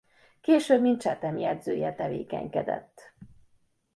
Később mint Chatham jegyzője tevékenykedett.